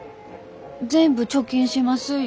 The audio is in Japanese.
全部貯金します